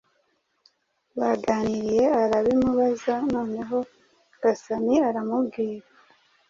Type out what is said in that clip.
baganiriye arabimubaza, noneho Gasani aramubwira.